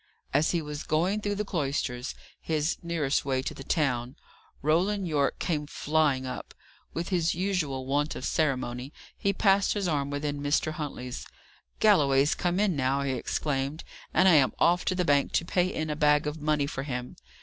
As he was going through the cloisters his nearest way to the town Roland Yorke came flying up. With his usual want of ceremony, he passed his arm within Mr. Huntley's. "Galloway's come in now," he exclaimed, "and I am off to the bank to pay in a bag of money for him.